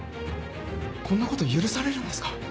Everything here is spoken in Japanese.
こんなこと許されるんですか？